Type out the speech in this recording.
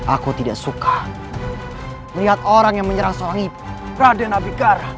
aku tidak akan menghapuni